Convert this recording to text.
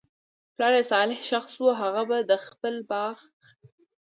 پلار ئي صالح شخص وو، هغه به د خپل باغ